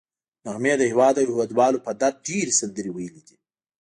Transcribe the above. نغمې د هېواد او هېوادوالو په درد ډېرې سندرې ویلي دي